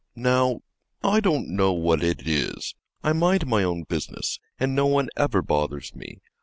Now, I don't know what it is. I mind my own business, and no one ever bothers me.